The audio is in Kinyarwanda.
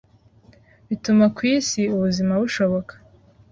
bituma ku isi ubuzima bushoboka